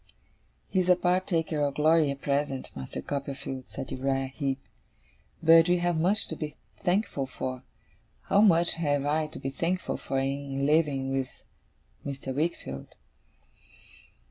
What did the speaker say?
'He is a partaker of glory at present, Master Copperfield,' said Uriah Heep. 'But we have much to be thankful for. How much have I to be thankful for in living with Mr. Wickfield!